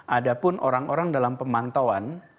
ada pun orang orang dalam pemantauan